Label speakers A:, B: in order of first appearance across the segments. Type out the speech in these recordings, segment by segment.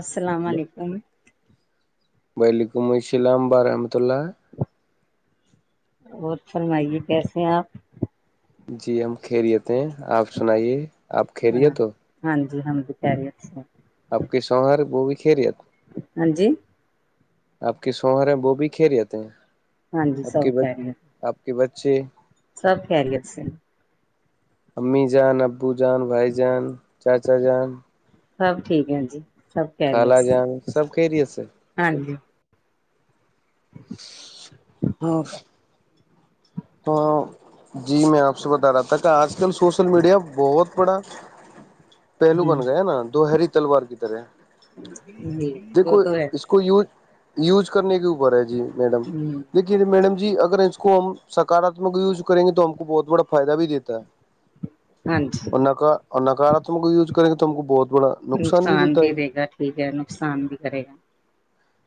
A: السلام
B: ہلو
A: علیکم
B: وعلیکم السلام ورحمۃ اللہ
A: اور فرمائیے کیسے ہیں آپ
B: جی ہم خیریت ہیں آپ سنائیے آپ خیریت تو
A: ہاں جی ہم بھی خیریت سے ہے
B: آپ کی سوہار وہ بھی خیریت ہے تو
A: ہاں جی
B: آپ کے سوہر ہیں وہ بھی کھیےر رہتے ہیں
A: ہاں جی
B: آپ
A: سب
B: کے
A: کہ گے ہیں
B: آپ کے بچے
A: سب خیریت سے
B: امی جان ابو جان بھائی جان چاچا جان
A: سب ٹھیک ہے جی سب خیریت
B: خالا
A: سے
B: جان سب خیریت سے
A: ہاں جی
B: ہاں تو جی میں آپ سے بتا رہا تھا کہ آج کل سوشل میڈیا بہت پڑا پہلو
A: ہ
B: بن گیا نا دوہری تلوار کی طرح
A: جی وہ
B: دیکھو
A: تو ہے
B: اس کو یوز یوز کرنے کے اوپر ہے جی میڈم
A: ہ
B: دیکھیے میڈم جی اگر اس کو ہم سکاراتمک یوز کریں گے تو ہم کو بہت بڑا فائدہ بھی دیتا ہے
A: ہاں جی
B: اور نہ کا اور نکارا تمکو یوز کریں گے تو تمکو بہت برا
A: نقصان بھی دے گا ٹھیک ہے نقصان بھی کرے گا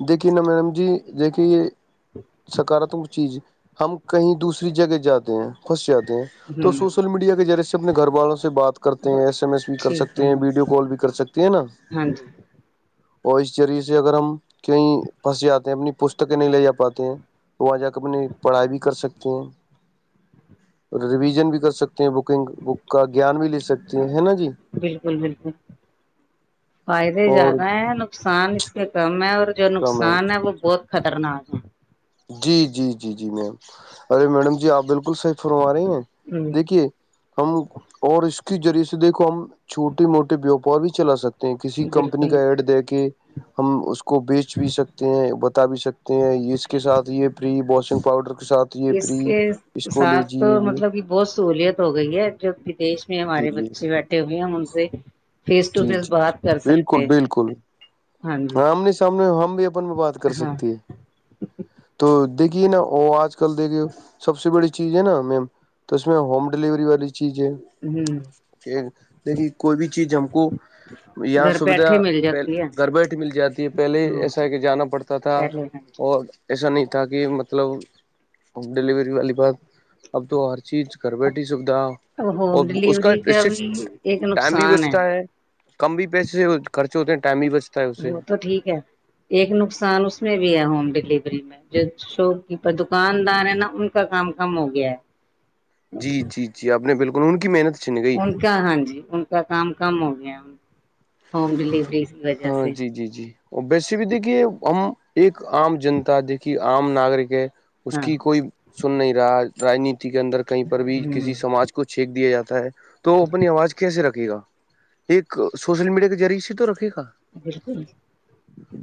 B: دیکھیے نا میم جی دیکھیے یہ سکاراتمک چیز ہم کہیں دوسری جگہ جاتے ہیں پھنس جاتے ہیں
A: ہ
B: تو سوشل میڈیا کے ریے سے اپنے گھر والوں سے بات کرتے ہیں ایس ایم ایس بھی کر
A: ٹھیک
B: سکتے
A: ہے
B: ہیں ویڈیو کال بھی کر سکتے ہیں نا
A: ہاں جی
B: اور اس ذریعے سے اگر ہم کہیں پھنس جاتے ہیں اپنی پستکیں نہیں لے جا پاتے ہیں وہاں جا کے اپنی پڑھائی بھی کر سکتے ہیں اور ریویژن بھی کر سکتے بکنگ بک کا گیان بھی لے سکتی ہیں ہے نا جی
A: بالکل بالکل فائدے
B: اور
A: زیادہ ہیں نقصان اس کے کم ہے اور جو نقصان ہے وہ بہت خطرناک ہے
B: جی جی جی جی میم ارے میڈم جی آپ بالکل صحی فرم آ رہی ہیں
A: ہے ہ
B: دیکھیے ہم اور اس کے ذریعے سے دیکھو ہم چھوٹے موٹے بیوپار بھی چلا سکتے کسی کمپنی
A: بالکل
B: کا ایڈ دے کے ہم اس کو بیچ بھی سکتے ہیں بتا بھی سکتے ہیں یہ سب کے ساتھ یہ فری واشنگ پاؤڈر کے ساتھ یہ
A: اس
B: فری
A: کے
B: اس کو
A: ساتھ
B: لےجے
A: تو
B: یہ
A: مطلب کہ بہت سہولیت ہو گئی ہے جو دیش میں
B: جی
A: ہمارے
B: جی
A: بچے بیٹھے ہوئے ہم ان سے فیس ٹو
B: جی
A: فیس
B: جی جی
A: بات کر
B: بالکل
A: سکتے
B: بالکل
A: ہاں جی
B: آمنے سامنے ہم بھی اپن بھی بات کر
A: ہاں
B: سکتی ہے تو دیکھیے نا وہ آج کل دیکھیے سب سے بڑی چیز ہے نا میم تو اس میں ہوم ڈیلیوری والی چیز ہے
A: ہوں [unintelligible]
B: دیکھی کوئی بھی چیز ہم کو یہاں
A: گھر
B: سویدھا
A: بیٹھے مل
B: پہل
A: جاتی ہے
B: گھر بیھ مل جاتی ہے پہلے ہی
A: ہاں
B: ایسا
A: جی
B: ہے کہ جانا پڑتا تھا
A: پہلے ہاں
B: اور ایسا نہیں تھا کہ مطلب ڈلیوری والی بات اب تو ہر چیز کر
A: اب
B: بیٹھی سوھا
A: اب
B: اور
A: ہوم
B: اس کا
A: ڈلیوری
B: اس سے
A: بھی ایک
B: ٹائم بھی
A: نقصان
B: بچتا ہے کم بھی پیسے سے خرچے ہوتے ہیں ٹائم ہی بس
A: وہ تو ٹھیک ہے ایک نقصان اس میں بھی ہے ہوم ڈلیوری میں جو شاپ کیپر دکاندار ہے نا ان کا کام کم ہو گیا ہے
B: جی جی جی آپ نے بالکل ان کی محنت چن گئی
A: ان کا ہاں جی ان کا کام کم ہو گیا ہوم ڈلیوری کی وجہ
B: ہاں
A: سے
B: جی جی ویسے بھی دیکھیے ہم ایک عام جنتا دیکھیے عام ناگرک ہے اس
A: ہاں
B: کی کوئی سن نہیں رہا راجنیتی کے اندر کہیں پر بھی
A: ہوں
B: کسی سماج کو چھینک دیا جاتا ہے تو اپنی آواز کیسے رکھے گا ایک سوشل میڈیا کے ذریعے سے تو رکھے گا
A: بالکل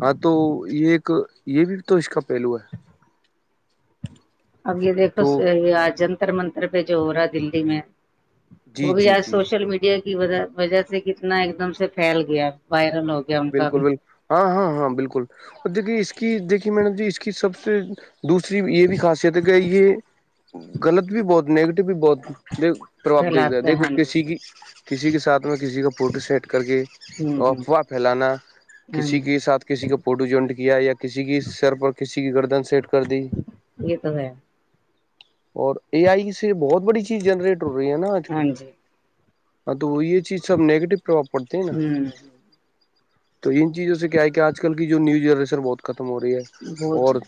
B: ہاں تو یہ ایک یہ بھی تو اس کا پہلو ہے
A: اب یہ
B: تو
A: دیکھوجنتر منتر پہ جو ہو رہا ہے دللی میں
B: جی
A: وہ بھی
B: جی
A: آج
B: جی
A: سوشل میڈیا مڈ کی وجہ سے کتنا ایک دم سے پھیل گیا وائرل ہو گیا ان کا
B: بالکل
A: بھی
B: بالکل ہاں ہاں ہاں بالکل اور دیکے اس کی دیکھی مڈم جی اس کی سب سے دوسری یہ بھی خاصیت ہے کہ یہ غلط بھی بہت نگیٹو بھی بہت پرباب دیکھتا
A: پھیلاتے
B: دیکھو
A: ہیں ہاں جی
B: کسی کی کسی کے ساتھ میں کسی کا فوٹو سیٹ کر کے
A: ہوں ہوں
B: فلانا
A: ہاں
B: کسی
A: جی
B: کے ساتھ کسی کا فوٹو جونٹ کیا یا کسی کی سر پر کسی کی گردن سیٹ کر دی
A: یہ تو ہے
B: اور اے آئی سے بہت بڑی چیز جنریٹ ہو رہی ہے نا آج
A: ہاں
B: کل
A: جی
B: ہاں تو وہ یہ چیز سب نیگیٹو پربؤ پڑتا ہے نا
A: ہوں
B: تو ان چیزوں سے کیا ہے کہ آج کل کی جو نیو ئرریشنر بہت ختم ہو رہی ہے
A: بہ ج
B: اور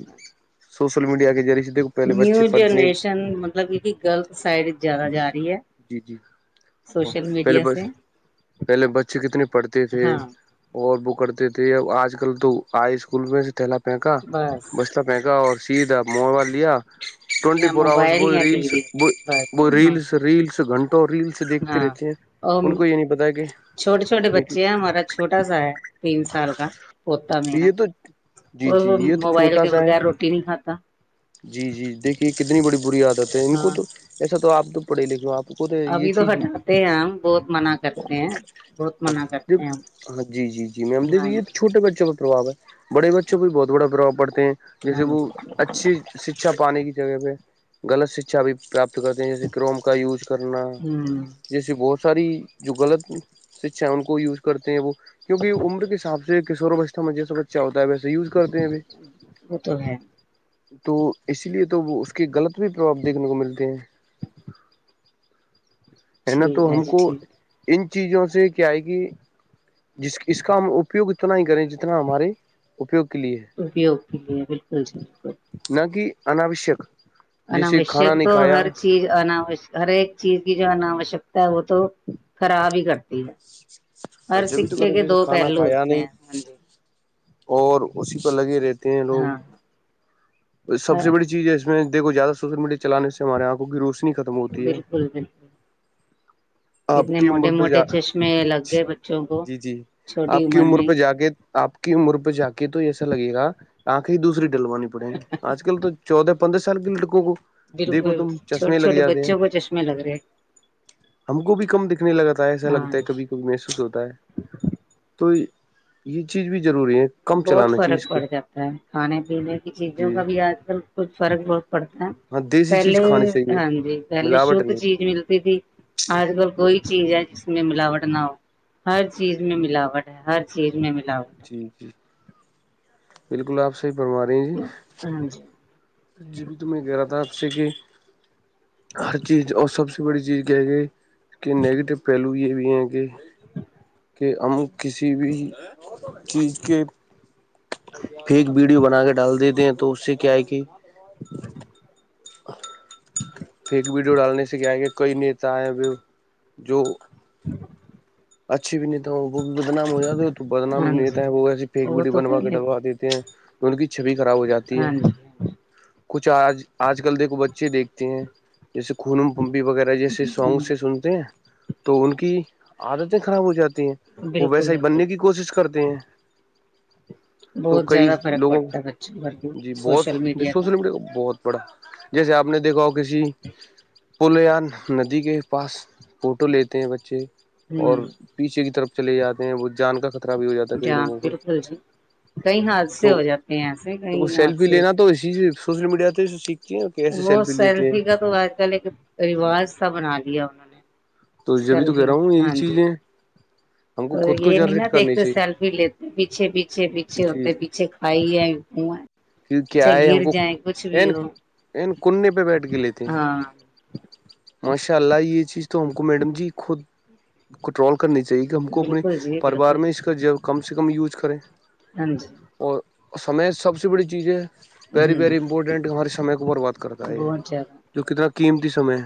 B: سوشل میڈیا کے ذریعے سے دیکھو پہلے
A: نیو
B: بچے پڑھنے
A: جنریشن مطلب یہ کی غلط سائڈ زیادہ جا رہی ہے
B: جی جی ہاں
A: سوشل
B: پہلے
A: میڈیا
B: بس
A: سے
B: پہلے بچے کتنے پڑھتے تھے
A: ہاں
B: اور وہ کرتے تھے اب آج کل تو ہائی اسکول میں سے تھیلا پھینکا
A: بس
B: بچلہ مہگا اور سیا موب لیا ٹوینٹی
A: یا
B: فور اورس
A: موبائل یا ٹی وی بس دونوں
B: ریلس ریلس گھنٹے ریل سے دیکھتے
A: ہاں
B: رہتے ہیں
A: اور
B: ان کو یہ نہیں پتا کہ
A: چھوٹے چھوٹے
B: ان
A: بچے ہیں ہمارا چھوٹا سا ہے تین سال کا پوتا میرا
B: یہ تو جی
A: وہ
B: جی
A: وہ
B: یہ تو
A: موبائل
B: چھوٹا
A: کے
B: سا ہے
A: بغیر روٹی نہیں کھاتا
B: جی جی دیکھیے کتنی بڑی بری عادت ہے ان کو
A: ہاں
B: تو ایسا تو آپ تو پڑے لیک آپ تو کوتے یہ
A: ابھی تو
B: چیز
A: ہٹاتے ہیں ہم بہت منع کرتے ہیں بہت منع
B: ج
A: کرتے ہیں ہم
B: ہاں جی جی جی
A: ہاں جی
B: یہ چھوٹے بچوں پر پرباؤ ہے بڑے بچوں پرہ بھی بہت بڑا پرباؤ پڑتے ہیں جیسے
A: ہاں
B: وہ
A: جی
B: اچھی شکچھا پانے کی جگہ پہ غلط شکچھا بھی پراپت کرتے ہیں جیسے کروم کا یوز کرنا
A: ہوں
B: جیسیے بہت ساری جو غلط شکشا ہے ان کو یوز کرتے ہیں وہ ا عمر کے حساب سے کشور و بچتا م جی سا بچہ ہوتا ہے بس یوز کرتے ہیں پ
A: وہ تو ہے
B: تو اسی لیے تو وہ اس کے غلط بھی پرباؤ دیکھنے کو ملتے ہیں ہے نا تو
A: ٹھیک
B: ہم
A: جی
B: کو
A: ٹھیک
B: ان چیزوں سے کیا آئے گی جس اس کا ہم اپیوگ اتنا ہی کریں جتنا ہمارے اپیوگ کے لیے
A: ا بھیی اوک لی ہے بالکل جی بالکل
B: نہ کہ اناوشک جیسے کھانا
A: اوشک
B: نہیں
A: تو
B: کھایا
A: ہر چیز انوش ہر ایک چیز کی جو ہےوشکتا ہے وہ تو خراب ہی کرتی ہے ہر
B: جبھی تو
A: سکے
B: کرو
A: کے
B: جیسے
A: دو
B: کھانا
A: پہلو
B: کھایا
A: ہوتے
B: نہیں
A: ہیں ہاں جی
B: اور اسی پر لگے رہتے ہیں لوگ
A: ہاں
B: سب سے بڑیز ہے اس میں دیکو زیادہ سوشل میڈیا چلان سے ہمارے آکھ کو گو سے ختم ہوتی ہے
A: بالکل بالکل
B: آپ
A: اتنے
B: کی
A: موٹے
B: عمر پہ
A: موٹے
B: جا
A: چشمے لگ گئے بچوں کو
B: جی جی
A: چھوٹی
B: آپ کی عمر
A: میں
B: پہ جا کے آپ کی عمر پہ جا کے تو ایسا لگے گا آنکھیں ہی دوسری ڈلوانی پڑے آج کل تو چودہ پندر سال بھی لک گ کو دیکھو
A: بالکل
B: تم
A: چھوٹے
B: چشمے لگ
A: چھوٹے
B: جاتے ہیں
A: بچوں کو چشمے لگ رہے ہیں
B: ہم کو بھی کم دکھنے لگتا ہے ایسا
A: ہاں
B: لگتا ہے
A: جی
B: کبھی کبھی محسوس ہوتا ہے تو یہ چیز بھی ضروری ہے کم
A: بہت
B: چلانا چاہیے
A: فرق
B: اس
A: پڑ
B: کو
A: جاتا ہے کھانے پینے کی چیزوں
B: جی
A: کا بھی آج کل کچھ فرق بہت پڑتا ہے
B: ہاں دیسی چیز
A: پہلے
B: کھانی چاہیے
A: ہاں جی پہلے
B: ملاوٹ
A: شھ
B: نہیں
A: چیز ملتی تھی آج کل کوئی چیز ہے جس میں ملاوٹ نہ ہو ہر چیز میں ملاوٹ ہے ہر چیز میں ملاوٹ
B: جی جی بالکل آپ صحی بنما رہی ہیں جی
A: ہے ہاں جی
B: جیبھی تو میں کہہ رہا تھا آپ سے کہ ہر چیز اور سب سے بڑی چیز کیا ہے کہ اس کہ نیگیٹو پہلو یہ بھی ہیں کہ کہ ہم کسی بھی چیز کے فیک ویڈیو بنا کے ڈال دیتے ہیں تو اس سے کیا ہے کہ فیک ویڈیو ڈالنے سے کیا ہے کہ کئی نیتا ہےئے جو
A: [unintelligible]
B: اچھی بھی نہیں تھا وہ بھی بدام ہو جاتا تو بدنام
A: ہاں
B: نہیں
A: جی
B: دیتا ہے وہ ایسی فیک
A: وہ
B: ویڈیو
A: تو
B: بنوا کے
A: پہلے
B: ڈلوا دیتے ہیں ان کی چھبی خراب ہو جاتی
A: ہاں
B: ہے
A: جی
B: کچھ آج آج کل دیکھو بچے دیکھتے ہیں جیسے خونم پمپی وغیرہ جیسے
A: ہ
B: سانگ سے سنتے ہیں تو ان کی عادتیں خراب ہو جاتی ہیں وہ
A: بالکل
B: ویسا ہی
A: بالکل
B: بننے کی کوشش کرتے ہیں تو
A: بہت
B: کئی
A: زیادہ فرق
B: لوگوں
A: پڑتا ہے بچوں پر بھی
B: جی بہت
A: سوشل
B: جی
A: کا
B: سوشل میڈیا بہت پڑا جیسے آپ نے دیکھا ہو کسی پل یا ندی کے پاس فوٹو لیتے ہیں بچے اور
A: ہ
B: نچے کی طرف چلے جاتے ہیں وہ جان کا خطر بھی ہو جاتا ہے کئی
A: جاں
B: لوگوں کو
A: بالکل جی کئی
B: تو
A: حادثے ہو جاتے ہیں ایسے کئی
B: سیلفی
A: حادثے
B: لینا تو اسی سے سوشل میڈیا پہ سیکھ
A: وہ سیلفی کا تو آج کل ایک رواج سا بنا لیا انہوں نے
B: تو جبھی تو کہہ
A: سیلفی
B: رہا ہوں یہ
A: ہاں جی
B: چیزیں ہم کو
A: تو
B: خود کو
A: یہ نہیں
B: جنریٹ
A: نا
B: کرنی
A: دیکھتے
B: چاہیے
A: سیلفی لیتے پیچھے پیچھے پیچھے
B: جی
A: ہوتے پیچھے کھائی ہے ہے
B: کی کیا ہے ہم کو ا کننے پہ بیٹھ کے لیتے ہیں
A: ہاں
B: ماشاء اللہ یہ چیز تو ہم کو میڈم جی خود کنٹرول کرنی چاہیے کہ ہم کو اپنے
A: بالکل جی
B: پریوار
A: بالکل
B: میں اس کا کم سے کم یوز کریں
A: ہاں جی
B: اور سمع سب سے بڑی چیز ہے [unintelligible] ویری
A: ہوں
B: ویری امپورٹنٹ ہمارے سمے کو برباد کرتا ہے
A: بہت زیادہ
B: جو کتنا قیمتی سمے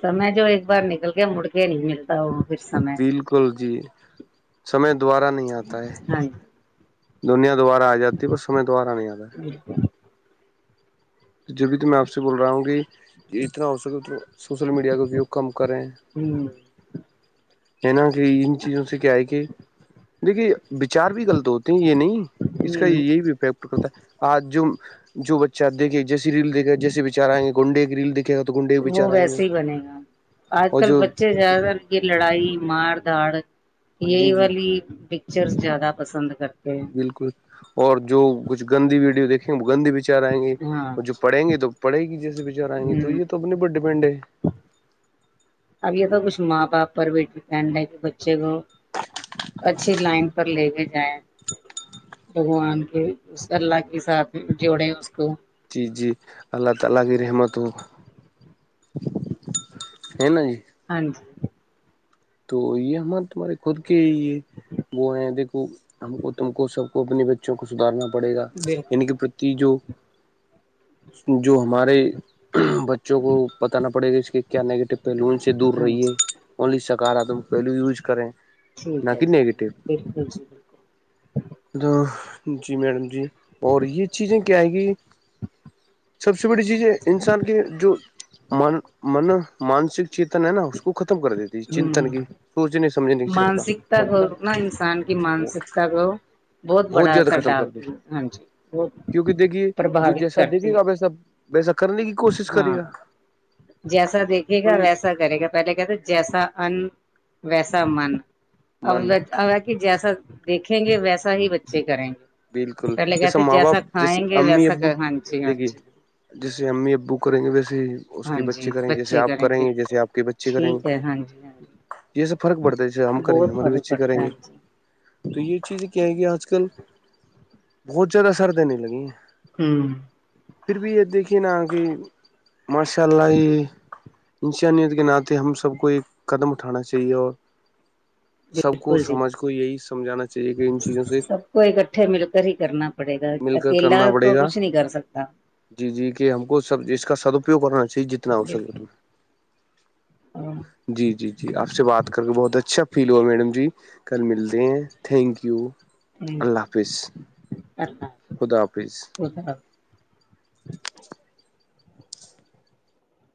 A: سمے جو ایک بار نکل کے مڑ کے نہیں ملتا وہ پھر سمے
B: بالکل جی سمے دوبارہ نہیں آتا ہے
A: ہاں
B: دنیا دوبارہ آ جاتی ہے پر سمے دوبارہ نہیں آتا ہے
A: [unintelligible]
B: جب بھی تو میں آپ سے بول رہا ہوں گی کہ اتنا ہو سکے انا سوشل میڈیا کا ویو کم کریں
A: ہوں
B: ہے نا کہ ان چیزوں سے کیا ہے کہ دیکھیے بچار بھی غلط ہوتے یہ نہیں اس کا
A: ہوں
B: یہی بھی افیکٹ کرتا ہے آج جو جو بچہ دیکھے [unintelligible] کے
A: وہ
B: بچار آئیں گے
A: ویسے ہی بنے گا آج
B: اور
A: کل
B: جو
A: بچے زیادہ تر کی لڑائی مار دھاڑ یہی
B: جی جی
A: والی پکچرس زیادہ پسند کرتے ہیں
B: بالکل اور جو کچھ گندی ویڈیو دیکھیں وہ گندی بچ چار آیں گے
A: ہاں
B: اور جو پڑیں گے تو پڑے گی جیسے بچار آیں گے تو
A: ہوں
B: یہ تو اپنے پر ڈیپینڈ ہے
A: اب یہ تو کچھ ماں باپ پر بیٹ پنڈ رہے بچے کو اچھی لائن پر لے کے جائیں بگوان کے اس اللہ کے ساتھ جوڑے اس کو
B: جی جی اللہ تعلا کی رحمت ہو ہے نا جی
A: ہاں جی
B: تو یہ ہمارے تمہارے خود کے یہ وہ ہیں دیکھو ہم کو تم کو سب کو اپنے بچ کو سدارنا پڑھے گاان
A: بالکل
B: کی جو جو ہمارے بچ جو وہ بتانا پڑے گا اس کےکیا نگیٹو پہلو سے دور
A: ہاں
B: رہی ہے
A: جی
B: ا س گارا تو پہل یوز کریں نہ
A: ٹھیک ہے
B: کہ
A: جی ہاں
B: نگیٹیو
A: بالکل جی بالکل
B: جی میڈم جی اور یہ چیزیں کیا آئے گی سب سے بڑی چیز ہے انسان کے جو من مانسک چیتن ہے نا اس کو ختم کر دیتی
A: ہوں ہ
B: چنتن کی سوچنے سمجھنے شر کا
A: مانسکتا کو
B: چمتا
A: نا انسان کی
B: ہے
A: مانسکتا کو
B: بہت
A: بڑا
B: زیادہ
A: اثر
B: ختم کر دے
A: ڈالتی ہے ہاں جی وہ
B: کیونکہ دیکھیے جو
A: پربھاوت
B: جیسا دیکھے
A: کرتی
B: گا آپ
A: ہے
B: ویسا ویسا کرنے کی کوشش کرے
A: ہاں
B: گا
A: جیسا دیکھے گا
B: تو یہ
A: ویسا کرے گا پہلے کہ تھا جیسا ان ویسا من
B: من
A: جیسا دیکھیں گے ویسا ہی بچے کریں گے
B: بالکل
A: پہلے
B: جیسا
A: کہتے
B: ماں باپ جیسے
A: کھائیں گے
B: امی
A: ویسا
B: ابو
A: ہاں جی ہاں
B: دیکھیے
A: جی
B: جیسے امی ابو کریں گے ویسے ہی اس
A: ہاں
B: کی بچی
A: جی
B: کریں گ جیسے
A: بچے
B: آپ کریں گے جیسے آپ کی بچی کریں گی
A: ٹھیک ہے ہاں جی ہاں جی
B: یہس سے فرق پڑتا ہےے ہم کریں گ
A: بہت
B: ہمارے
A: فرق
B: بچے کریں
A: پڑتا ہے
B: گے
A: ہاں جی
B: تو یہ چیز کیایں گی آج کل بہت زیادہ سر دینے لگی ہیں
A: ہمم
B: پھر بھی یہ دیکھیے نا کہ ماشاء اللہ یہ انسانیت کے ناطے ہم سب کو ایک قدم اٹھانا چاہیے اور سب کو
A: بالکل جی
B: سماج کو یہی سمجھانا چاہیے کہ ان چیزوں سے
A: کوئی ککٹھے مل کر ہی کرنا پڑے گا
B: مل کر
A: اکیلا
B: کرنا پڑے
A: تو
B: گا
A: کچھ نہیں کر سکتا
B: جی جی کہ ہم کو سب اس کا سدپیوگ کرنا چاہیے جتنا ہو سکے اتنا جی جی جی آپ سے بات کر کے بہت اچھا فیل ہوا میڈم جی کل ملتے ہیں تھینک یو اللہ حافظ
A: ہوں
B: خدا حافظ
A: بھ